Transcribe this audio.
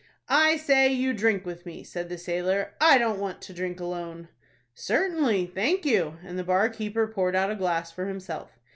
"I say, you drink with me," said the sailor. "I don't want to drink alone." "Certainly, thank you;" and the bar keeper poured out a glass for himself.